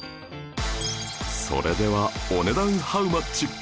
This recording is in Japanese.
それではお値段ハウマッチ？